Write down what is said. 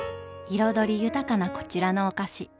彩り豊かなこちらのお菓子。